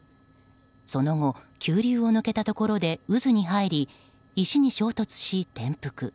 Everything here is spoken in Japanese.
その後、急流を抜けたところで渦に入り、石に衝突し転覆。